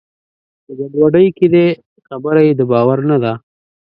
په ګډوډۍ کې دی؛ خبره یې د باور نه ده.